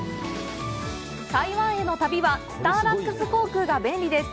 台湾への旅はスターラックス航空が便利です。